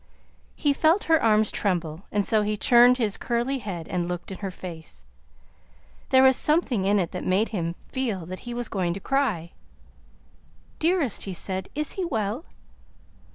He felt her arms tremble, and so he turned his curly head and looked in her face. There was something in it that made him feel that he was going to cry. "Dearest," he said, "is he well?"